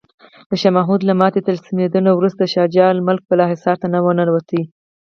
د شاه محمود له ماتې او تسلیمیدو نه وروسته شجاع الملک بالاحصار ته ننوت.